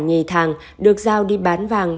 nhì thàn được giao đi bán vàng